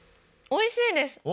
おいしいです！